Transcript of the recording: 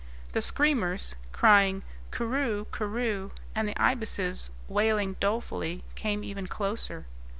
The screamers, crying curu curu, and the ibises, wailing dolefully, came even closer.